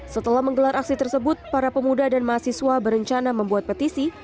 setelah menggelar aksi tersebut para pemuda dan mahasiswa berencana membuat petisi